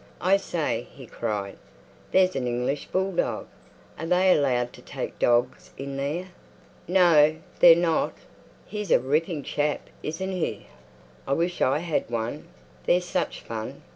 "I say," he cried, "there's an English bulldog. Are they allowed to take dogs in there?" "No, they're not." "He's a ripping chap, isn't he? I wish I had one. They're such fun.